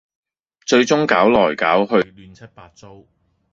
最終搞來搞去亂七八糟